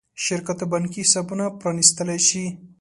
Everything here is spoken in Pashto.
شرکت بانکي حسابونه پرانېستلی شي.